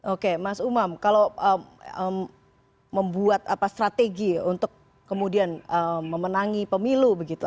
oke mas umam kalau membuat strategi untuk kemudian memenangi pemilu begitu